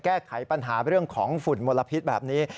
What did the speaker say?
แก้ไขปัญหาเรื่องของฝุ่นมลพิษแบบนี้